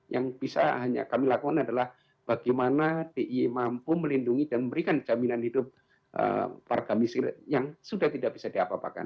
yang bisa kami lakukan adalah bagaimana dia mampu melindungi dan memberikan jaminan hidup para kami yang sudah tidak bisa diapapakan